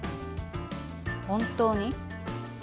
本当に？